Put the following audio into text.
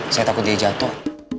saya takut dia jatuh